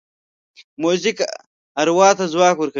موزیک اروا ته ځواک ورکوي.